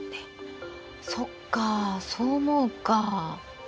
そっかそう思うか。